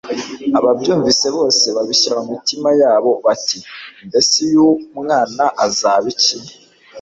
Ababyumvise bose babishyira mu mitima yabo bati: mbese uyu mwana azaba iki?"